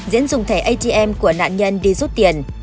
diễn dùng thẻ atm của nạn nhân đi rút tiền